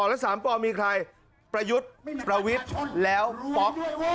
และ๓ปมีใครประยุทธ์ประวิทย์แล้วป๊อก